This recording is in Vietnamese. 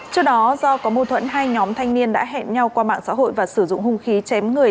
trước đó do có mâu thuẫn hai nhóm thanh niên đã hẹn nhau qua mạng xã hội và sử dụng hung khí chém người